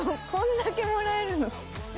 こんだけもらえるの？